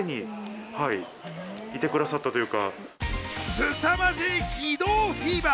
すさまじい義堂フィーバー！